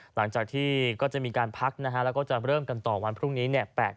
หลังจากที่ก็จะมีการพักนะฮะแล้วก็จะเริ่มกันต่อวันพรุ่งนี้